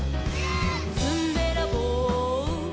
「ずんべらぼう」「」